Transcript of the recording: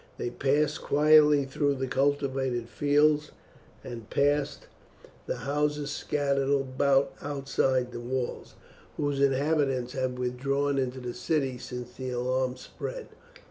They passed quietly through the cultivated fields, and past the houses scattered about outside the walls, whose inhabitants had withdrawn into the city since the alarm spread.